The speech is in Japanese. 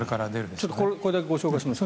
ちょっとこれだけご紹介します。